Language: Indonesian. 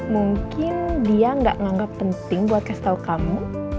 mungkin dia gak nganggep penting buat kasih tau kamu